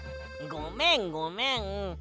ごめんごめん。